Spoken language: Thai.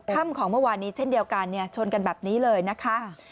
ค่ำของเมื่อวานนี้เช่นเดียวกันชนกันแบบนี้เลยนะคะ